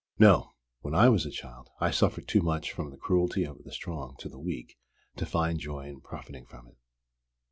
No. When I was a child I suffered too much from the cruelty of the strong to the weak to find joy in profiting from it."